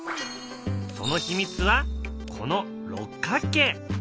その秘密はこの六角形。